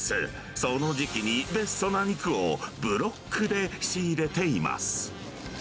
その時期にの肉をブロックで仕入れています。